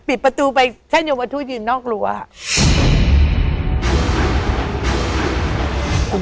ปิดประตูไปเท่วยงมโมทูตยืนนอกต้าน